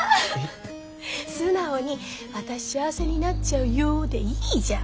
素直に「私幸せになっちゃうよ」でいいじゃん。